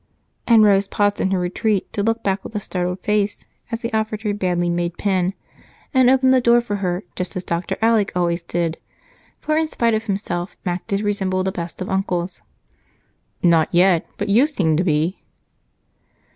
And Rose paused in her retreat to look back with a startled face as he offered her a badly made pen and opened the door for her just as Dr. Alec always did; for, in spite of himself, Mac did resemble the best of uncles. "Not yet, but you seem to be."